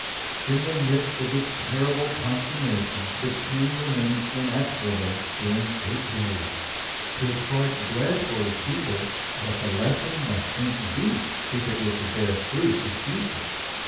In the midst of this terrible consternation the King remained inexorable during eight days. His heart bled for his people, but the lesson must sink deep if it were to bear fruit in future.